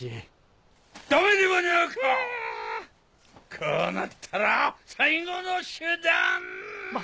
こうなったら最後の手段っ！